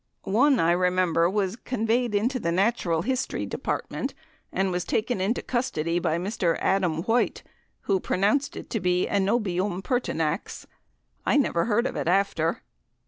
One, I remember, was conveyed into the Natural History Department, and was taken into custody by Mr. Adam White who pronounced it to be Anobium pertinax. I never heard of it after."